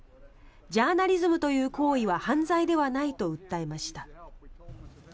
ジャーナリズムという行為は犯罪ではないと訴えました。